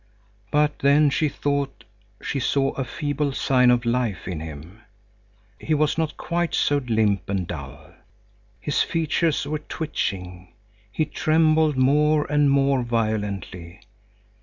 But then she thought she saw a feeble sign of life in him. He was not quite so limp and dull. His features were twitching. He trembled more and more violently.